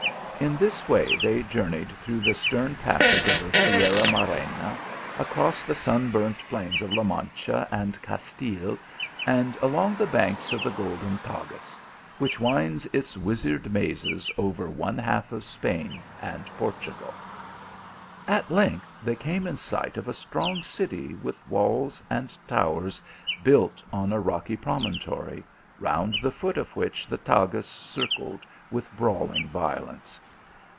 In this way they journeyed through the stern passes of the Sierra Morena, across the sunburnt plains of La Mancha and Castile, and along the banks of the " Golden Tagus," which winds its wizard mazes over one half of Spain and Portugal. At length, they came in sight of a strong city with walls and towers, built on a rocky promon tory, round the foot of which the Tagus circled with brawling violence.